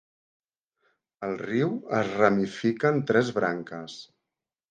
El riu es ramifica en tres branques.